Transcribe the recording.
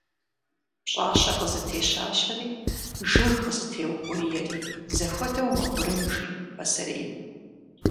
Пщӏащэ къызытещащэри, жыг къызытеукӏуриери зэхуэдэу мэгурым, жи пасэрейм.